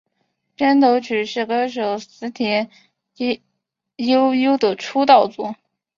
片头曲是歌手矢田悠佑的出道作。